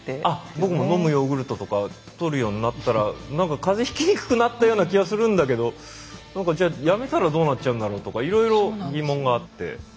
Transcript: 僕も飲むヨーグルトとかとるようになったらなんか風邪ひきにくくなったような気はするんだけどじゃあやめたらどうなっちゃうんだろうとかいろいろ疑問があって。